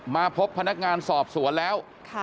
มาพบพนักงานสอบสวนแล้ว